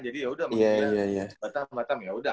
jadi yaudah manggilnya batam batam yaudah